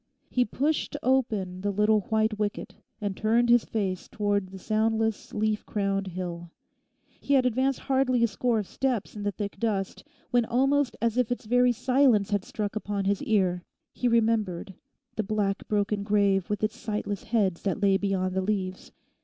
He pushed open the little white wicket and turned his face towards the soundless, leaf crowned hill. He had advanced hardly a score of steps in the thick dust when almost as if its very silence had struck upon his ear he remembered the black broken grave with its sightless heads that lay beyond the leaves.